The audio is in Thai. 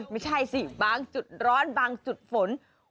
ไม่ใช่สิบางจุดร้อนบางจุดฝน